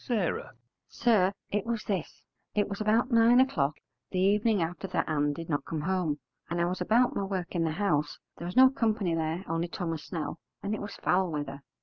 S. Sir, it was this. It was about nine o'clock the evening after that Ann did not come home, and I was about my work in the house; there was no company there only Thomas Snell, and it was foul weather.